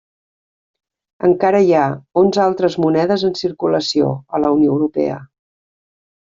Encara hi ha onze altres monedes en circulació a la Unió Europea.